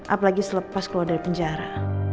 apalagi selepas keluar dari penjara